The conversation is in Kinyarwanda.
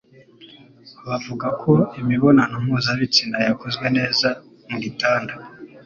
Bavuga ko imibonano mpuzabitsina yakozwe neza mugitanda